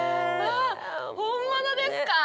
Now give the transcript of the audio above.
あっ本物ですか？